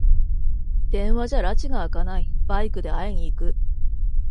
電話じゃらちがあかない、バイクで会いに行く